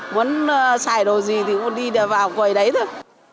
muốn xài đồ gì thì muốn đi vào quầy đấy thôi